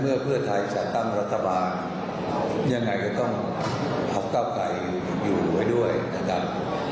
เพื่อไทยจัดตั้งรัฐบาลยังไงก็ต้องพักเก้าไกรอยู่ไว้ด้วยนะครับ